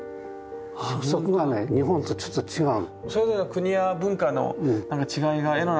そこがね日本とちょっと違う。